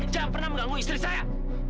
jangan pernah mengganggu istri saya